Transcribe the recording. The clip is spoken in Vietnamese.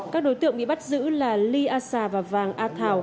các đối tượng bị bắt giữ là ly a xà và vàng a thảo